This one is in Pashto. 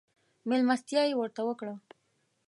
مېلمستيا يې ورته وکړه.